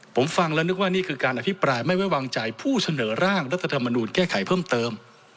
ผมฟังแล้วนึกว่านี่คือการอภิปรายไม่ไว้วางใจผู้เสนอร่างรัฐธรรมนูลแก้ไขเพิ่มเติม